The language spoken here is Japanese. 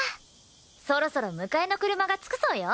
そろそろ迎えの車が着くそうよ。